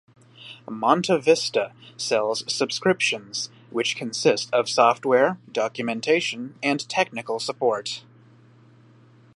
MontaVista sells "subscriptions", which consist of software, documentation, and technical support.